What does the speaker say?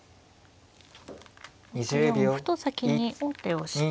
６四歩と先に王手をして。